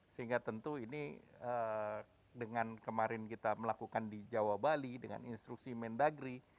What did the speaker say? sehingga tentu ini dengan kemarin kita melakukan di jawa bali dengan instruksi mendagri